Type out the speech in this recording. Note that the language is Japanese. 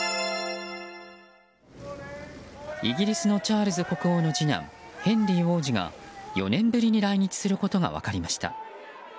イギリスのチャールズ国王の次男、ヘンリー王子が４年ぶりに来日することが分かりました。